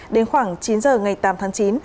đến khoảng chín h ngày tám tháng chín